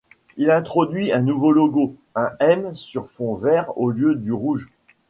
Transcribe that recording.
Il introduit un nouveau logo, un M sur fond vert au lieu du rouge.